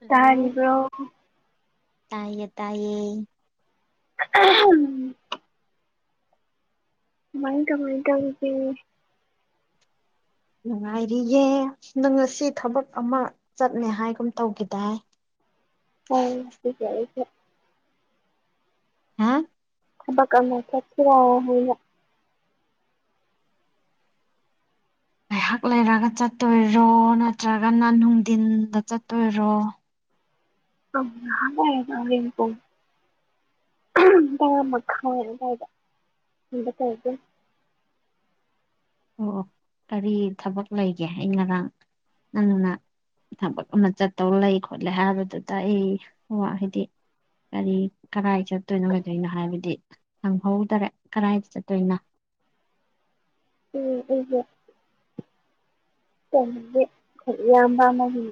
hello ꯇꯥꯔꯤꯕ꯭ꯔꯣ ꯇꯥꯏꯌꯦ ꯇꯥꯏꯌꯦ ꯑꯍꯝꯝ ꯀꯃꯥꯏꯟ ꯀꯃꯥꯏꯟ ꯇꯧꯔꯤꯒꯦ ꯅꯨꯡꯉꯥꯏꯔꯤꯌꯦ ꯅꯪ ꯉꯁꯤ ꯊꯕꯛ ꯑꯃ ꯆꯠꯅꯦ ꯍꯥꯏꯒꯨꯝ ꯇꯧꯒꯤꯗꯥꯏ ꯍꯞ ꯉꯁꯤꯁꯦ ꯑꯩꯁꯦ ꯍꯥ ꯊꯕꯛ ꯑꯃ ꯆꯠꯁꯤꯔꯥꯅ ꯉꯥꯏꯍꯥꯛ ꯂꯩꯔꯒ ꯆꯠꯇꯣꯏꯔꯣ ꯅꯠꯇ꯭ꯔꯒꯅ ꯅꯨꯡꯘꯤꯟꯗ ꯆꯠꯇꯣꯏꯔꯣ ꯑꯟꯏꯟꯇꯦꯜꯂꯤꯖꯦꯕꯜ ꯑꯣ ꯑꯣ ꯀꯔꯤ ꯊꯕꯛ ꯂꯩꯒꯦ ꯑꯩ ꯉꯔꯥꯡ ꯅꯪꯅ ꯊꯕꯛ ꯑꯃ ꯆꯠꯇꯧ ꯂꯩ ꯈꯣꯠꯂꯦ ꯍꯥꯏꯕꯗꯨꯗ ꯑꯩ ꯉ ꯍꯥꯏꯗꯤ ꯀꯔꯤ ꯀꯗꯥꯥꯏꯗ ꯆꯠꯇꯣꯏꯅꯣ ꯀꯩꯗꯣꯏꯅꯣ ꯍꯥꯏꯕꯗꯤ ꯍꯪꯍꯧꯗꯔꯦ ꯀꯗꯥꯥꯏꯗ ꯆꯠꯇꯣꯏꯅꯣ ꯎꯝ ꯑꯟꯏꯟꯇꯦꯜꯂꯤꯖꯦꯕꯜ ꯈꯣꯏ ꯏꯌꯥꯝꯕ ꯑꯃꯒꯤ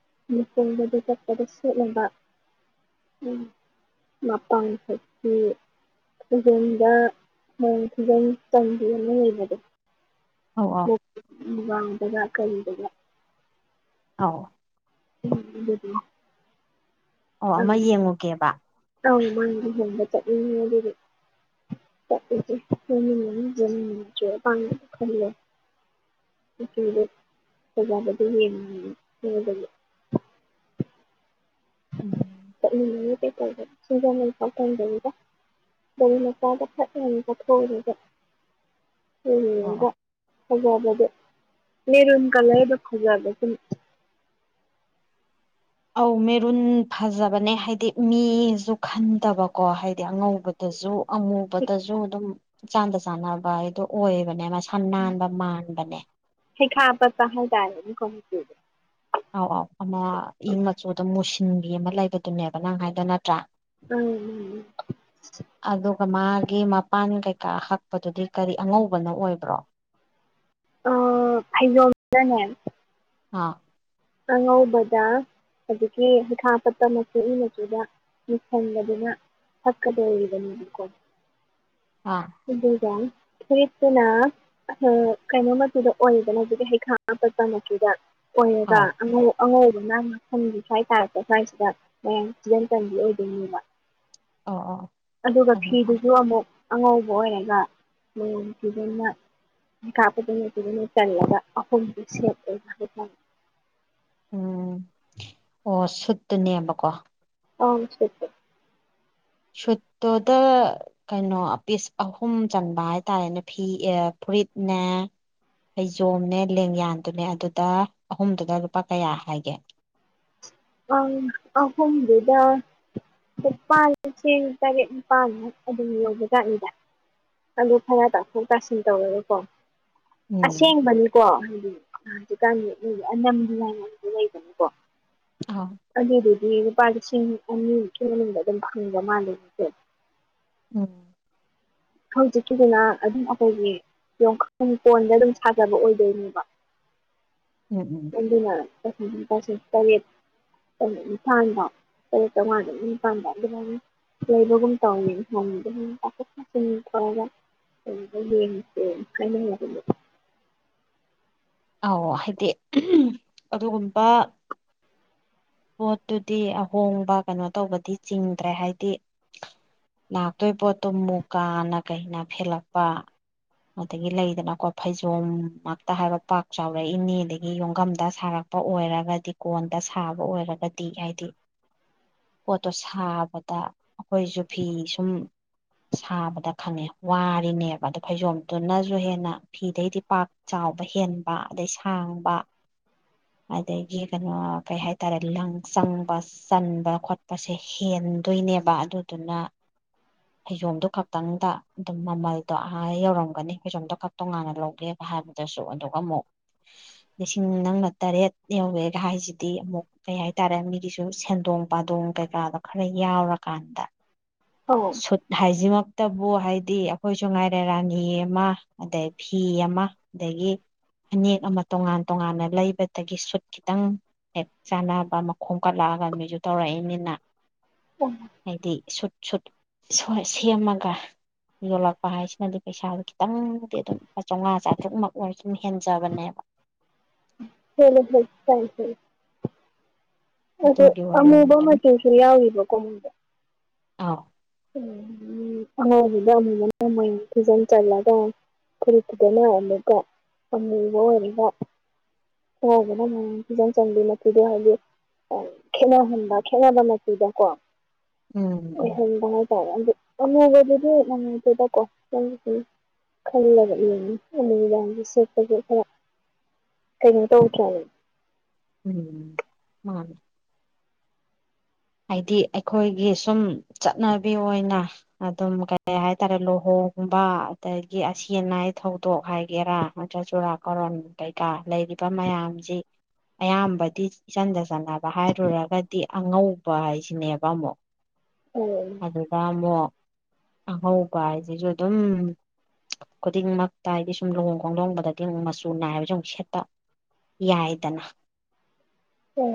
ꯑꯟꯏꯟꯇꯦꯜꯂꯤꯖꯦꯕꯜ ꯑꯧ ꯑꯥꯎ ꯃꯨꯛꯕꯥꯡꯗꯒ ꯀꯔꯤꯗꯒ ꯑꯥꯎ ꯑꯟꯏꯟꯇꯦꯜꯂꯤꯖꯦꯕꯜ ꯑꯧ ꯑ ꯑꯃ ꯌꯦꯡꯉꯨꯒꯦꯕ ꯑꯥꯎ ꯃꯥꯏ ꯂꯨꯍꯣꯡꯕ ꯑꯟꯏꯟꯇꯦꯜꯂꯤꯖꯦꯕꯜ ꯑꯟꯏꯟꯇꯦꯜꯂꯤꯖꯦꯕꯜ ꯑꯟꯏꯟꯇꯦꯜꯂꯤꯖꯦꯕꯜ ꯎꯝ ꯋꯥꯉꯥꯡꯂꯣꯏ ꯑꯁꯤ ꯌꯥꯝꯅ ꯁꯦꯡꯅ ꯋꯥ ꯉꯥꯡꯊꯣꯛꯇꯕꯅ ꯑꯇꯥꯕꯅ ꯂꯧꯁꯤꯟꯕꯝ ꯈꯪꯗꯔꯦ ꯋꯥꯉꯥꯡꯂꯣꯏ ꯑꯁꯤ ꯌꯥꯝꯅ ꯁꯦꯡꯅ ꯋꯥ ꯉꯥꯡꯊꯣꯛꯇꯕꯅ ꯑꯣ ꯑꯇꯥꯕꯅ ꯂꯧꯁꯤꯟꯕꯝ ꯈꯪꯗꯔꯦ ꯐꯖꯕꯗꯣ ꯃꯦꯔꯟ ꯀꯂꯔ ꯗꯨ ꯐꯖꯕ ꯑꯗꯨꯝ ꯑꯧ ꯃꯦꯔꯨꯟ ꯐꯖꯕꯅꯦ ꯍꯥꯏꯗꯤ ꯃꯤꯁꯨ ꯈꯟꯗꯕꯀꯣ ꯍꯥꯏꯗꯤ ꯑꯉꯧꯕꯗꯁꯨ ꯑꯃꯨꯕꯗꯖꯨ ꯑꯗꯨꯝ ꯏꯆꯥꯟꯗ ꯆꯥꯟꯅꯕ ꯍꯥꯏꯗꯣ ꯑꯣꯏꯕꯅꯦ ꯃꯁꯤ ꯍꯩꯈꯥ ꯑꯄꯠꯄ ꯍꯥꯏꯗꯥꯏ ꯑꯟꯑꯣꯗꯤꯕꯜ ꯑꯧ ꯑꯥꯎ ꯑꯃ ꯏ ꯃꯆꯨꯗ ꯃꯨꯁꯤꯟꯕꯤ ꯑꯃ ꯂꯩꯕꯗꯨꯅꯦꯕ ꯅꯪ ꯍꯥꯏꯗꯣ ꯅꯠꯇ꯭ꯔꯥ ꯎꯝ ꯎꯝ ꯗꯨꯒ ꯃꯥꯒꯤ ꯃꯄꯥꯟ ꯀꯩꯀꯥ ꯍꯛꯄꯗꯨꯗꯤ ꯀꯔꯤ ꯑꯉꯧꯕꯅ ꯑꯣꯏꯕ꯭ꯔꯣ ꯑ ꯐꯩꯖꯣꯗꯅꯦ ꯑꯥ ꯑꯉꯧꯕꯗ ꯑꯗꯒꯤ ꯍꯩꯈꯥ ꯄꯠꯄ ꯃꯆꯨ ꯏ ꯃꯆꯨꯗ ꯃꯤꯁꯤꯟꯕꯗꯨꯅ ꯍꯛꯀꯗꯣꯔꯤꯕꯅꯦꯕꯀꯣ ꯑꯥ ꯑꯟꯏꯟꯇꯦꯜꯂꯤꯖꯦꯕꯜ ꯍꯦꯠꯇꯨꯅ ꯑꯍ ꯀꯩꯅꯣ ꯃꯆꯨꯗ ꯑꯣꯏꯗꯅ ꯍꯧꯖꯤꯛꯀꯤ ꯍꯩꯈꯥ ꯑꯄꯠꯄ ꯃꯆꯨꯗ ꯑꯣꯏꯌꯦꯕ ꯑꯥꯎ ꯑꯉꯧ ꯑꯉꯧꯕꯧꯕꯅ ꯇꯨꯡꯒꯤ ꯁ꯭ꯋꯥꯏ ꯇꯥꯔꯛꯄ ꯁ꯭ꯋꯥꯏꯁꯤꯗ ꯍꯌꯦꯡ ꯐꯤꯖꯟ ꯆꯟꯕꯤ ꯑꯣꯏꯗꯣꯏꯅꯦꯕ ꯑꯣ ꯑꯣ ꯑꯗꯨꯒ ꯐꯤꯗꯨꯁꯨ ꯑꯃꯨꯛ ꯑꯉꯧꯕ ꯑꯣꯏꯔꯒ ꯃ ꯄꯤꯖꯅ ꯀꯥꯞꯄꯗꯅꯠꯇꯖꯅ ꯆꯔꯛꯑꯒ ꯑꯍꯨꯝꯗꯨ ꯁꯦꯞꯂ ꯍꯥꯏ ꯎꯝ ꯑꯣ ꯁꯨꯠꯇꯨꯅꯦꯕꯀꯣ [unintelligible] ꯁꯨꯠ ꯇꯣ ꯁꯨꯠꯇꯨꯗ ꯀꯩꯅꯣ ꯄꯤꯁ ꯑꯍꯨꯝ ꯆꯟꯕ ꯍꯥꯏꯇꯥꯔꯦꯅꯦ ꯐꯤ ꯐꯨꯔꯤꯠꯅꯦ ꯐꯩꯖꯣꯝꯅꯦ ꯂꯦꯡꯌꯥꯟꯗꯨꯅꯦ ꯑꯗꯨꯗ ꯑꯍꯨꯝꯗꯨꯗ ꯂꯨꯄꯥ ꯀꯌꯥ ꯍꯥꯏꯒꯦ ꯑ ꯑꯍꯨꯝꯗꯨꯗ ꯂꯨꯄꯥ ꯂꯤꯁꯤꯡ ꯇꯔꯦꯠ ꯅꯤꯄꯥꯜ ꯃꯨꯛ ꯗꯨꯝ ꯌꯧꯕꯖꯥꯠꯅꯤꯗ ꯑꯗꯨ ꯈꯔ ꯇꯥꯊꯣꯛ ꯇꯥꯁꯤꯟ ꯇꯧꯔꯒ ꯀꯣ ꯎꯝ ꯑꯁꯦꯡꯕꯅꯤꯀꯣ ꯀꯥꯟ ꯑꯅꯝꯕ ꯂꯥꯏ ꯂꯩꯕꯅꯦꯀꯣ ꯑꯥꯎ ꯑꯗꯨꯗꯗꯤ ꯂꯨꯄꯥ ꯂꯤꯁꯤꯡ ꯑꯅꯤꯃꯨꯛꯀꯤ ꯃꯅꯨꯡꯗ ꯑꯗꯨꯝ ꯐꯪꯕ ꯃꯥꯜꯂꯦꯕ ꯀꯣ ꯎꯝ ꯍꯧꯖꯤꯛꯀꯤꯁꯤꯅ ꯑꯗꯨꯝ ꯑꯩꯈꯣꯏꯒꯤ ꯌꯣꯡꯈ ꯀꯣꯟꯗ ꯑꯗꯨꯝ ꯁꯥꯖꯜ ꯑꯣꯏꯗꯣꯏꯅꯦꯕ ꯎꯝ ꯎꯝ [unintelligible] ꯇꯔꯦꯠ [unintelligible] ꯇꯔꯦꯠ ꯆꯝꯉꯥ [unintelligible] ꯇꯧꯋꯤ [unintelligible] ꯑꯧ ꯍꯥꯏꯗꯤ ꯑꯗꯨꯒꯨꯝꯕ ꯄꯣꯠꯇꯨꯗꯤ ꯑꯍꯣꯡꯕ ꯀꯩꯅꯣ ꯇꯧꯕꯗꯤ ꯆꯤꯡꯗ꯭ꯔꯦ ꯍꯥꯏꯗꯤ ꯂꯥꯛꯇꯣꯏ ꯄꯣꯠꯇꯣ ꯃꯨꯀꯥꯅ ꯀꯩꯅ ꯐꯦꯜꯂꯛꯄ ꯑꯗꯒꯤ ꯂꯩꯗꯅꯀꯣ ꯐꯩꯖꯣꯝ ꯉꯥꯛꯇ ꯍꯥꯏꯕ ꯄꯥꯛ ꯆꯥꯎꯔꯛꯏꯅꯤ ꯑꯗꯒꯤ ꯌꯣꯡꯈꯝꯗ ꯁꯥꯔꯛꯄ ꯑꯣꯏꯔꯒꯗꯤ ꯀꯣꯟꯗ ꯁꯥꯕ ꯑꯣꯏꯔꯒꯗꯤ ꯍꯥꯏꯗꯤ ꯄꯣꯠꯇꯣ ꯁꯥꯕꯗ ꯑꯩꯈꯣꯏꯁꯨ ꯐꯤ ꯁꯨꯝ ꯁꯥꯕꯗ ꯈꯪꯉꯦ ꯋꯥꯔꯤꯅꯦꯕ ꯑꯗꯣ ꯐꯩꯖꯣꯝꯗꯨꯅꯁꯨ ꯍꯦꯟꯅ ꯐꯤꯗꯩꯗꯤ ꯄꯥꯛ ꯆꯥꯎꯕ ꯍꯦꯟ ꯑꯗꯩ ꯁꯥꯡꯕ ꯑꯗꯒꯤ ꯀꯩꯅꯣ ꯀꯩ ꯍꯥꯏꯇꯥꯔꯦ ꯂꯪ ꯆꯪꯕ ꯆꯟꯕ ꯈꯣꯠꯄꯁꯦ ꯍꯦꯟꯗꯣꯏꯅꯦꯕ ꯑꯗꯨ ꯑꯗꯨꯅ ꯐꯩꯖꯣꯝꯗꯣ ꯈꯛꯇꯪꯗ ꯑꯗꯨꯝ ꯃꯃꯜꯗꯣ ꯑ ꯌꯧꯔꯝꯒꯅꯤ ꯐꯩꯖꯣꯝꯗꯣ ꯈ ꯇꯣꯉꯥꯟꯅ ꯂꯧꯒꯦꯕ ꯍꯥꯏꯕꯗꯨꯁꯨ ꯑꯗꯨꯒ ꯑꯃꯨꯛ ꯂꯤꯁꯤꯡ ꯅꯪꯒ ꯇꯔꯦꯠ ꯌꯧꯋꯦꯒ ꯍꯥꯏꯁꯤꯗꯤ ꯑꯃꯨꯛ ꯀꯩ ꯍꯥꯏꯇꯥꯔꯦ ꯃꯤꯒꯤꯁꯨ ꯁꯦꯟꯗꯣꯡ ꯄꯥꯗꯣꯡ ꯀꯩꯀꯥꯗꯣ ꯈꯔ ꯌꯥꯎꯔꯀꯥꯟꯗ ꯑꯧ ꯁꯨꯠ ꯍꯥꯏꯖꯦ ꯃ ꯇꯕꯨ ꯍꯥꯏꯗꯤ ꯑꯩꯈꯣꯏꯁꯨ ꯉꯥꯏꯔꯦ ꯔꯥꯅꯤ ꯑꯃ ꯑꯗꯩ ꯐꯤ ꯑꯃ ꯑꯗꯒꯤ ꯐꯅꯦꯛ ꯑꯃ ꯇꯣꯉꯥꯟ ꯇꯣꯉꯥꯟꯅ ꯂꯩꯕ ꯑꯗꯒꯤ ꯁꯨꯠ ꯈꯤꯇꯪ ꯍꯦꯛ ꯆꯥꯟꯅꯕ ꯃꯈꯣꯡ ꯀꯠꯂꯛꯑꯒ ꯃꯤꯁꯨ ꯇꯧꯔꯛꯏꯅꯤꯅ ꯍꯥꯏꯗꯤ ꯁꯨꯠ ꯁꯨꯠ ꯁꯦꯝꯃꯒ ꯌꯣꯜꯂꯛꯄ ꯍꯥꯏꯁꯤꯃꯗꯤ ꯄꯩꯁꯥꯗꯨ ꯈꯤꯇꯪꯗꯤ ꯑꯗꯨꯝ ꯆꯥꯝꯃꯉꯥ ꯆꯥꯇ꯭ꯔꯨꯛꯃꯛꯨ ꯑꯣꯏꯔ ꯑꯗꯨꯝ ꯍꯦꯟꯖꯕꯅꯦꯕ ꯍꯦꯜꯂꯦ ꯑꯗ ꯑꯗꯨꯒꯤ ꯑꯃꯨꯕ ꯑꯣꯏꯔꯝꯒꯅꯤ ꯃꯆꯨꯁꯨ ꯌꯥꯎꯔꯤꯕꯣ ꯀꯨꯝ ꯑꯥ ꯑꯉꯥꯎꯕꯗ ꯑꯃꯨꯕꯅ ꯅꯣꯡꯃ ꯐꯤꯖꯤꯟ ꯆꯜꯂꯒ ꯐꯨꯔꯤꯠꯇꯨꯗꯅꯔꯝꯕꯀꯣ ꯑꯃꯨꯕ ꯑꯣꯏꯔꯒ ꯍꯥꯎꯕꯅ ꯃ ꯐꯤꯖꯪ ꯆꯪꯕꯤ ꯃꯆꯨꯗꯣ ꯍꯥꯏꯗꯤ ꯈꯦꯅꯍꯟꯕ ꯈꯦꯠꯅꯕ ꯃꯆꯨꯗꯀꯣ ꯎꯝ ꯎꯝ ꯑꯣꯏꯍꯟꯕ ꯑꯗꯨ ꯑꯃꯨꯕꯗꯨꯗꯤ ꯉꯥꯏꯗꯦꯗꯀꯣ ꯈꯜꯂꯒ ꯌꯦꯅꯤ ꯅꯨꯗꯥꯡꯗ ꯁꯦꯠꯄꯒꯤ ꯈꯔ ꯀꯩꯅꯣ ꯇꯧꯗ꯭ꯔ ꯎꯝ ꯃꯥ ꯍꯥꯏꯗꯤ ꯑꯩꯈꯣꯏꯒꯤ ꯁꯨꯝ ꯆꯠꯅꯕꯤ ꯑꯣꯏꯅ ꯑꯗꯨꯝ ꯀꯩ ꯍꯥꯏꯇꯥꯔꯦ ꯂꯨꯍꯣꯡꯒꯨꯝꯕ ꯑꯗꯒꯤ ꯑꯁꯤ ꯑꯅꯥꯏ ꯊꯧꯗꯣꯛ ꯍꯥꯏꯒꯦꯔꯥ ꯅꯠꯇ꯭ꯔ ꯆꯨꯔꯥꯀꯣꯔꯣꯟ ꯀꯩꯀꯥ ꯂꯩꯔꯤꯕ ꯃꯌꯥꯝꯁꯤ ꯑꯌꯥꯝꯕꯗꯤ ꯏꯆꯟꯗ ꯆꯟꯅꯅꯕ ꯍꯥꯏꯔꯨꯔꯒꯗꯤ ꯑꯉꯧ ꯄꯥ ꯍꯥꯏ ꯁꯤꯅꯦꯕ ꯑꯃꯨꯛ ꯑꯗꯨ ꯑꯃꯣ ꯑꯉꯧꯕ ꯍꯥꯏꯁꯤꯁꯨ ꯑꯗꯨꯝ ꯈꯨꯗꯤꯡꯃꯛꯇ ꯍꯥꯏꯗꯤ ꯁꯨꯝ ꯂꯨꯍꯣꯡ ꯈꯣꯡꯗꯣꯡꯕꯗꯗꯤ ꯑꯃꯨꯛ ꯃꯆꯨ ꯅꯥꯏꯕꯁꯨ ꯑꯃꯨꯛ ꯁꯦꯠꯄ ꯌꯥꯏꯗꯅ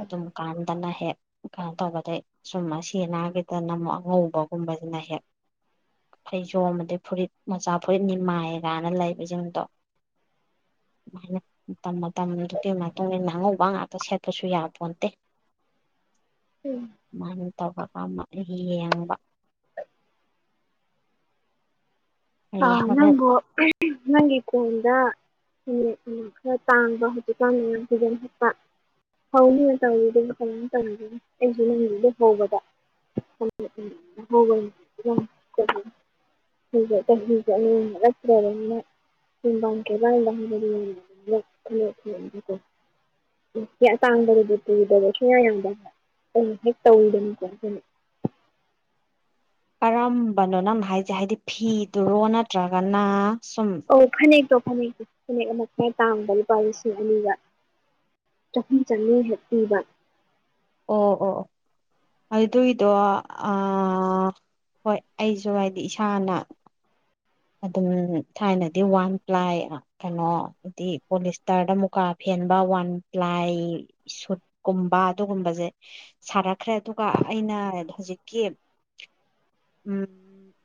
ꯑꯗꯨꯝ ꯀꯟ ꯅ ꯍꯦꯛ ꯀꯟ ꯇꯧꯕ ꯑꯗꯩ ꯁꯨꯝ ꯑꯁꯤ ꯑꯅꯥꯒꯤꯗꯅ ꯑꯃꯨꯛ ꯑꯉꯧꯕꯒꯨꯝꯕꯁꯤꯅ ꯍꯦꯛ ꯐꯩꯖꯣꯝ ꯑꯗꯩ ꯐꯨꯔꯤꯠ ꯃꯆꯥ ꯐꯨꯔꯤꯠ ꯅꯤꯃꯥꯏ ꯀꯅ ꯂꯩꯕꯁꯤꯡꯗꯣ ꯑꯗꯨꯃꯥꯏꯅ ꯃꯇꯝ ꯃꯇꯝꯗꯨꯒꯤ ꯃꯇꯨꯡ ꯃꯇꯨꯡꯏꯟꯅ ꯑꯉꯧꯕ ꯉꯥꯛꯇ ꯁꯦꯠꯄꯁꯨ ꯌꯥꯄꯣꯟꯇꯦ ꯑꯗꯨꯃꯥꯏ ꯑꯗꯨꯝ ꯇꯧꯕ ꯄꯥꯝꯕ ꯌꯦꯡꯕ ꯑ ꯌꯦꯡꯉꯒ ꯅꯪꯕꯨ ꯅꯪꯒꯤ ꯀꯣꯟꯗ ꯅꯨꯃꯤꯠ ꯈꯔ ꯇꯥꯡꯕ ꯍꯧꯖꯤꯛꯀꯥꯟ ꯃ ꯐꯤꯗꯝ ꯍꯠꯄ ꯍꯧꯅꯤꯅ ꯇꯧꯔꯤꯗꯅ ꯀꯃꯥꯏꯅ ꯇꯧꯔꯤꯅ ꯑꯩꯁꯨ ꯅꯨꯃꯤꯗ ꯍꯧꯕꯗꯧꯕ ꯅꯨꯃꯤ ꯆꯍꯤꯁ ꯑ ꯅꯠꯇ꯭ꯔꯡ ꯀꯦꯂ [inaudible] ꯑꯇꯥꯡꯕꯕꯨꯗꯤ ꯄꯨꯗꯕ ꯁꯨꯡꯌꯥ ꯌꯥꯗꯕ ꯑꯗꯨꯅ ꯍꯦꯛ ꯇꯧꯗꯅꯤꯀꯣ ꯑꯗꯨꯅ [unintelligible] ꯀꯔꯝꯕꯅꯣ ꯅꯪꯅ ꯍꯥꯏꯁꯦ ꯍꯥꯏꯗꯤ ꯐꯤꯗꯨꯔꯣ ꯅꯠꯇ꯭ꯔꯒꯅ ꯁꯨꯝ ꯑꯣ ꯐꯅꯦꯛ ꯇꯣ ꯐꯅꯦꯛ ꯑꯃ ꯈꯔ ꯇꯥꯡꯕ ꯂꯨꯄꯥ ꯂꯤꯁꯤꯡ ꯑꯅꯤꯒ ꯆꯍꯨꯝ ꯆꯅꯤ ꯍꯦꯛ ꯄꯤꯕ ꯑꯣ ꯑꯣ ꯑꯗꯨꯒꯤꯗꯣ ꯍꯣꯏ ꯑꯩꯁꯨ ꯍꯥꯏꯗꯤ ꯏꯁꯥꯅ ꯑꯗꯨꯝ ꯊꯥꯏꯅꯗꯤ ꯋꯥꯟ ꯄ꯭ꯂꯥꯏ ꯀꯩꯅꯣ ꯍꯥꯏꯗꯤ ꯄꯣꯂꯤꯁꯇꯔꯗ ꯃꯨꯀꯥ ꯐꯦꯟꯕ ꯋꯥꯟ ꯄ꯭ꯂꯥꯏ ꯁꯨꯠꯀꯨꯝꯕ ꯑꯗꯨꯒꯨꯝꯕꯁꯦ ꯁꯥꯔꯛꯈ꯭ꯔꯦ ꯑꯗꯨꯒ ꯑꯩꯅ ꯍꯧꯖꯤꯛꯀꯤ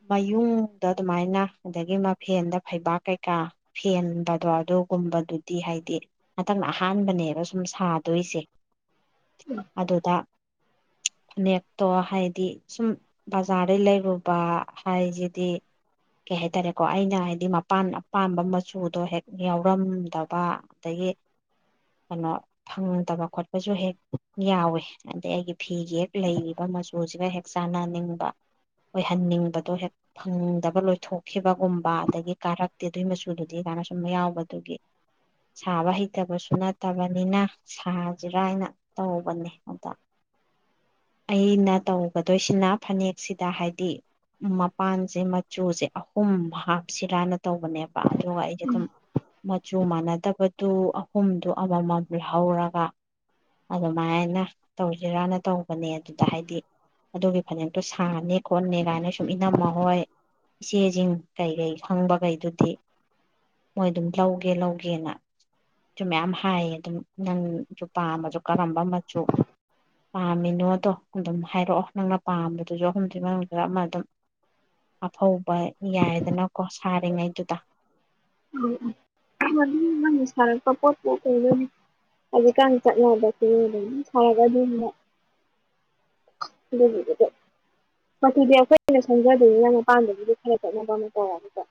ꯃꯌꯨꯡꯗ ꯑꯗꯨꯃꯥꯏꯅ ꯑꯗꯒꯤ ꯃꯐꯦꯟꯗ ꯐꯩꯕꯥꯛ ꯀꯩꯀꯥ ꯐꯦꯟꯕꯗꯣ ꯑꯗꯨꯒꯨꯝꯕꯗꯨ ꯗꯤ ꯍꯥꯏꯗꯤ ꯍꯟꯗꯛꯅ ꯑꯍꯥꯟꯕꯅꯦꯕ ꯁꯨꯝ ꯁꯥꯗꯣꯏꯁꯦ ꯑꯗꯨꯗ ꯐꯅꯦꯛꯇꯣ ꯍꯥꯏꯗꯤ ꯁꯨꯝ ꯕꯖꯥꯔꯗꯩ ꯂꯩꯔꯨꯕ ꯍꯥꯏꯁꯤꯗꯤ ꯀꯩ ꯍꯥꯏꯇꯥꯔꯦꯀꯣ ꯑꯩꯅ ꯍꯥꯏꯗꯤ ꯃꯄꯥꯟ ꯑꯄꯥꯝꯕ ꯃꯆꯨꯗꯣ ꯍꯦꯛ ꯌꯥꯎꯔꯝꯗꯕ ꯑꯗꯒꯤ ꯀꯩꯅꯣ ꯐꯪꯗꯕ ꯈꯣꯠꯄꯁꯨ ꯍꯦꯛ ꯌꯥꯎꯋ ꯑꯗꯩ ꯑꯩꯒꯤ ꯐꯤꯒꯤ ꯍꯦꯛ ꯂꯩꯔꯤꯕ ꯃꯆꯨꯁꯤꯒ ꯍꯦꯛ ꯆꯥꯟꯅꯅꯤꯡꯕ ꯑꯣꯏꯍꯟꯅꯤꯡꯕꯗꯣ ꯍꯦꯛ ꯐꯪꯗꯕ ꯂꯣꯏ ꯊꯣꯛꯈꯤꯕꯒꯨꯝꯕ ꯑꯗꯒꯤ ꯀꯥꯔꯛꯇꯦ ꯑꯗꯨꯒꯤ ꯃꯆꯨꯗꯨꯗꯤ ꯑꯗꯨꯥꯏꯅ ꯁꯨꯝ ꯌꯥꯎꯕꯗꯨꯒꯤ ꯁꯥꯕ ꯍꯩꯇꯕꯁꯨ ꯅꯠꯇꯕꯅꯤꯅ ꯁꯥꯁꯤꯔꯥꯅ ꯇꯧꯕꯅꯦ ꯑꯗ ꯑꯩꯅ ꯇꯧꯒꯗꯣꯏꯁꯤꯅ ꯐꯅꯦꯛꯁꯤꯗ ꯍꯥꯏꯗꯤ ꯃꯄꯥꯟꯁꯦ ꯃꯆꯨꯁꯦ ꯑꯍꯨꯝ ꯍꯥꯞꯁꯤꯔꯥꯅ ꯇꯧꯕꯅꯦꯕ ꯑꯗꯨꯒ ꯑꯩꯁ ꯑꯗꯨꯝ ꯃꯆꯨ ꯃꯥꯟꯅꯗꯕ ꯇꯨ ꯑꯍꯨꯝꯗꯨ ꯑꯃꯃꯝ ꯍꯧꯔꯒ ꯑꯗꯨꯃꯥꯏꯅ ꯇꯧꯁꯤꯔꯅ ꯇꯧꯕꯅꯦ ꯑꯗꯨꯗ ꯍꯥꯏꯗꯤ ꯑꯗꯨꯒꯤ ꯐꯅꯦꯛꯇꯣ ꯁꯥꯅꯤ ꯈꯣꯠꯅꯦ ꯀꯥꯏꯅ ꯁꯨꯝ ꯏꯅꯝꯃ ꯍꯣꯏ ꯏꯆꯦꯁꯤꯡ ꯀꯩꯀꯩ ꯈꯪꯕꯈꯩꯗꯨꯗꯤ ꯃꯣꯏ ꯑꯗꯨꯝ ꯂꯧꯒꯦ ꯂꯧꯒꯦꯅꯁꯨ ꯃꯌꯥꯝ ꯍꯥꯏꯌꯦ ꯑꯗꯨꯝ ꯅꯪ ꯄꯥꯝꯃꯁꯨ ꯀꯔꯝꯕ ꯃꯆꯨ ꯄꯥꯝꯃꯤꯅꯣꯗꯣ ꯑꯗꯨꯝ ꯍꯥꯏꯔꯛꯑꯣ ꯅꯪꯅ ꯄꯥꯝꯕꯗꯨꯁꯨ ꯑꯍꯨꯝꯁꯤ ꯃꯅꯨꯡꯗ ꯑꯃ ꯑꯗꯨꯝ ꯊꯧꯕ ꯌꯥꯏꯗꯅꯀꯣ ꯁꯥꯔꯤꯉꯩꯗꯨꯗ ꯎꯝ ꯎ ꯃꯥꯅ ꯁꯥꯔꯛꯄ ꯄꯣꯠꯣ ꯑꯗꯨꯝ ꯍꯧꯖꯤꯛꯀꯥꯟ ꯆꯠꯂꯕ ꯑꯗꯨꯝ ꯁꯥꯔꯒ ꯑꯗꯨꯅ ꯑꯗꯨ ꯃꯗꯤ ꯑꯩꯈꯣꯏ ꯑꯩꯅ ꯁꯦꯝꯪꯖꯗꯣꯏꯅꯤ ꯅꯅ ꯑꯄꯥꯝꯕꯒꯤꯗꯤ ꯈꯔ ꯈꯠꯅꯕ ꯑꯃ ꯇꯧꯔꯒꯗ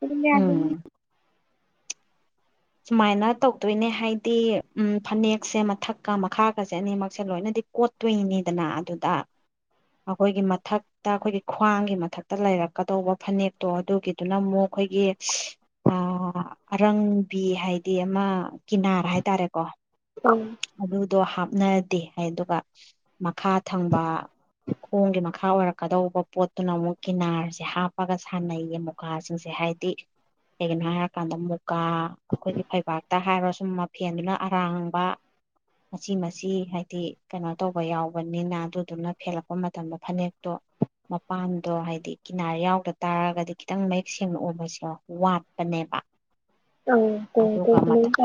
ꯑꯗꯨꯔꯤꯃ ꯑꯗꯨ ꯎꯝ ꯁꯨꯃꯥꯏꯅ ꯇꯧꯗꯣꯏꯅꯦ ꯍꯥꯏꯗꯤ ꯎ ꯐꯅꯦꯛꯁꯦ ꯃꯊꯛꯀ ꯃꯈꯥꯒꯁꯦ ꯑꯅꯤꯃꯛꯁꯦ ꯂꯣꯏꯅꯗꯤ ꯀꯣꯠꯇꯣꯏꯅꯤꯗꯅ ꯑꯗꯨꯗ ꯑꯩꯈꯣꯏꯒꯤ ꯃꯊꯛꯇ ꯑꯩꯈꯣꯏꯒꯤ ꯈ꯭ꯋꯥꯡꯒꯤ ꯃꯊꯛꯇ ꯂꯩꯔꯛꯀꯗꯧꯕ ꯐꯅꯦꯛꯇꯣ ꯑꯗꯨꯒꯤꯗꯨꯅ ꯑꯃꯨꯛ ꯑꯩꯈꯣꯏꯒꯤ ꯑꯔꯪ ꯕꯤ ꯍꯥꯏꯗꯤ ꯑꯃ ꯀꯤꯅꯥꯔ ꯍꯥꯏꯇꯥꯔꯦꯀꯣ ꯑꯪ ꯑꯗꯨꯗꯣꯍ ꯠꯅꯗꯦ ꯍꯥꯏ ꯑꯗꯨꯒ ꯃꯈꯥ ꯊꯪꯕ ꯈꯣꯡꯒꯤ ꯃꯈꯥ ꯑꯣꯏꯔꯛꯀꯗꯧꯕ ꯄꯣꯠꯇꯨꯅ ꯑꯃꯨꯛ ꯀꯤꯅꯥꯔꯁꯦ ꯍꯥꯞꯄꯒ ꯁꯥꯟꯅꯩꯌꯦ ꯃꯨꯀꯥꯁꯤꯡꯁꯦ ꯦ ꯍꯥꯏꯗꯤ ꯀꯩꯒꯤꯅꯣ ꯍꯥꯏꯔꯀꯥꯟꯗ ꯃꯨꯀꯥ ꯑꯩꯈꯣꯏꯒꯤ ꯐꯩꯕꯥꯛ ꯇ ꯍꯥꯏꯔꯣ ꯁꯨꯝ ꯃꯐꯦꯟꯗꯨꯅ ꯑꯔꯥꯡꯕ ꯉꯆ ꯃ ꯍꯥꯏꯗꯤ ꯀꯩꯅꯣ ꯇꯧꯕ ꯌꯥꯎꯕꯅꯤꯅ ꯑꯗꯨꯗꯨꯅ ꯐꯦꯜꯂꯛꯄ ꯃꯇꯝꯗ ꯐꯅꯦꯛꯇꯣ ꯃꯄꯥꯟꯗꯣ ꯍꯥꯏꯗꯤ ꯀꯤꯅꯥꯔ ꯌꯥꯎꯗ ꯇꯥꯔꯒꯗꯤ ꯈꯤꯇꯪ ꯃꯌꯦꯛ ꯁꯦꯡꯅ ꯎꯕꯁꯦ ꯋꯥꯠꯄꯅꯦꯕ ꯑ ꯀ ꯀ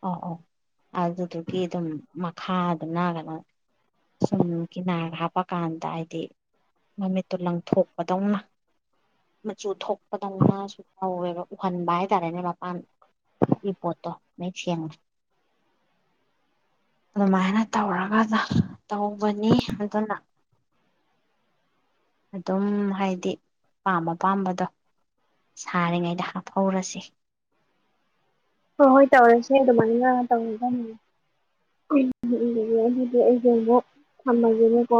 ꯑ ꯑ ꯑꯗꯨꯗꯨꯒꯤ ꯑꯗꯨꯝ ꯃꯈꯥꯗꯨꯅ ꯀꯩꯅꯣ ꯁꯨꯝꯒꯤ ꯅꯥꯒ ꯍꯥꯞꯄꯀꯥꯟꯗ ꯍꯥꯏꯗꯤ ꯃꯃꯤꯠꯇꯨ ꯂꯪꯊꯣꯛꯄꯗꯧꯅ ꯃꯆꯨ ꯊꯣꯛꯄꯗꯧꯅꯁꯨ ꯇꯧꯋꯦꯕ ꯎꯍꯟꯕ ꯍꯥꯏꯇꯥꯔꯦꯅꯦ ꯑꯗꯨꯒꯤ ꯄꯣꯠꯇꯣ ꯃꯌꯦꯛ ꯁꯦꯡꯅ ꯑꯗꯨꯃꯥꯏꯅ ꯇꯧꯔꯒ ꯇꯧꯕꯅꯤ ꯑꯗꯨꯅ ꯑꯗꯨꯝ ꯍꯥꯏꯗꯤ ꯄꯥꯝꯕ ꯄꯥꯝꯕꯗꯣ ꯁꯥꯔꯤꯉꯩꯗ ꯍꯥꯞꯍꯧꯔꯁꯤ ꯍꯣꯏ ꯍꯣꯏ ꯇꯧꯔꯁꯦ ꯑꯗꯨꯃꯥꯏꯅ ꯇꯧꯒꯗꯥꯃꯦ ꯑꯗꯨꯗꯤ ꯑꯩꯁ ꯑꯃꯨꯛ ꯊꯝꯃꯒꯦꯅꯦꯀꯣ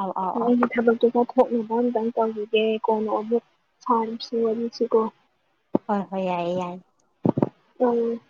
ꯑꯧ ꯑꯧ ꯑꯧ ꯍꯣꯏ ꯊꯕꯛꯇꯣ ꯇꯧꯊꯣꯛꯑꯣ ꯊꯣꯛꯅꯕ ꯑꯝꯇꯪ ꯇꯧꯒꯤꯒꯦ ꯀꯣꯟꯅ ꯑꯃꯨꯛ ꯁꯥꯔꯥꯁꯦ ꯋꯥꯔꯤꯁꯦꯀꯣ ꯍꯣꯏ ꯍꯣꯏ ꯌꯥꯏꯌꯦ ꯌꯥꯏꯌꯦ ꯎꯝ